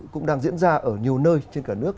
cũng đang diễn ra ở nhiều nơi trên cả nước